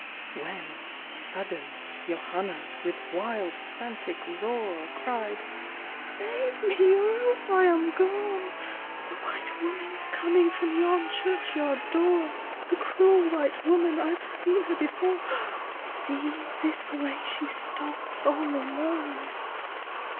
When sudden, Johanna, with wild frantic roar, Cried —" Save me ! or else I am gone ! The white woman's coming from yon church yard door ; The cruel white woman ! I've seen her before; See ! this way she stalks, all alone."